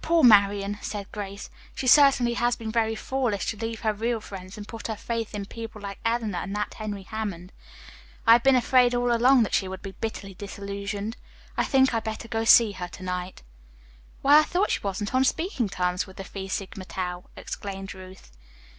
"Poor Marian," said Grace. "She certainly has been very foolish to leave her real friends and put her faith in people like Eleanor and that Henry Hammond. I have been afraid all along that she would be bitterly disillusioned. I think I'd better go to see her to night." "Why, I thought she wasn't on speaking terms with the Phi Sigma Tau!" exclaimed Ruth.